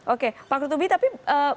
oke pak kutubi tapi